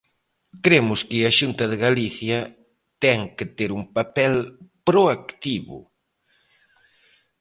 Cremos que a Xunta de Galicia ten que ter un papel proactivo.